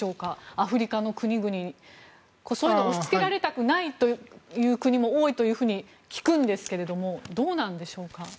アフリカの国々そういうのを押しつけられたくないという国も多いというふうに聞くんですけどもどうなんでしょうか？